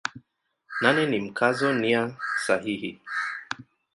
Nane ni Mkazo nia sahihi.